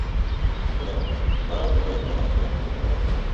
ঘাসফুলের মতে, ধরার বুকের স্নেহ-কণাগুলিই আসলে প্রকৃতিতে ঘাস হয়ে ফুটে ওঠে।